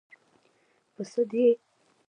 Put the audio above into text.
_ په سد يې؟